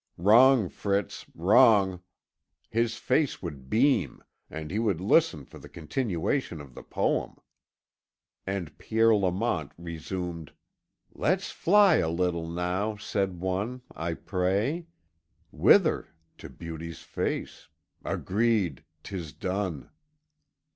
"Wrong, Fritz, wrong. His face would beam, and he would listen for the continuation of the poem." And Pierre Lamont resumed: "'Let's fly a little now,' said one, 'I pray.' 'Whither?' 'To beauty's face.' 'Agreed 'tis done.'